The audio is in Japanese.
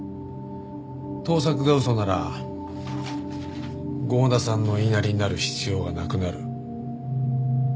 盗作が嘘なら郷田さんの言いなりになる必要はなくなる。